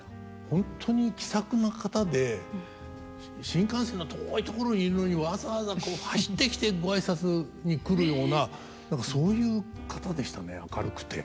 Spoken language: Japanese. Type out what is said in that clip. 本当に気さくな方で新幹線の遠い所にいるのにわざわざ走ってきてご挨拶に来るような何かそういう方でしたね明るくて。